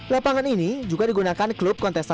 lapangan ini juga digunakan klub yang berlatih